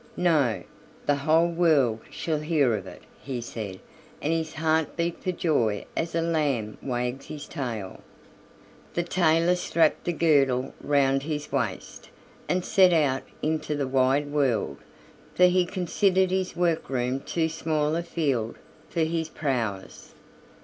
no, the whole world shall hear of it," he said; and his heart beat for joy as a lamb wags his tail. The tailor strapped the girdle round his waist and set out into the wide world, for he considered his workroom too small a field for his prowess.